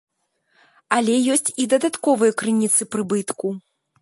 Але ёсць і дадатковыя крыніцы прыбытку.